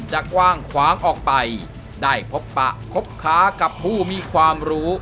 กว้างขวางออกไปได้พบปะคบค้ากับผู้มีความรู้